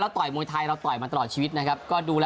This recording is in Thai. แล้วต่อยมวยทัยต่อยมาตลอดชีวิตนะครับ